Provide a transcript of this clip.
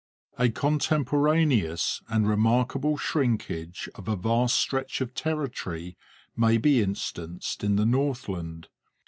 A contemporaneous and remarkable shrinkage of a vast stretch of territory may be instanced in the Northland.